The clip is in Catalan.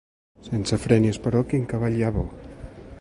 Sense fre ni esperó, quin cavall hi ha bo?